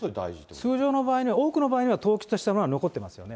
通常の場合には多くの場合には、登記として残ってますよね。